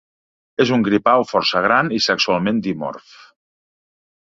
És un gripau força gran i sexualment dimorf.